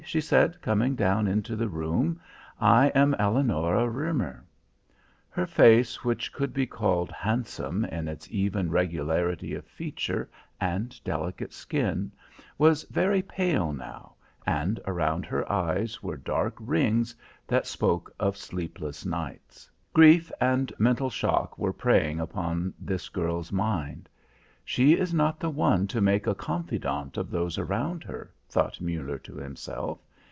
she said, coming down into the room. "I am Eleonora Roemer" Her face, which could be called handsome in its even regularity of feature and delicate skin, was very pale now, and around her eyes were dark rings that spoke of sleepless nights. Grief and mental shock were preying upon this girl's mind. "She is not the one to make a confidant of those around her," thought Muller to himself.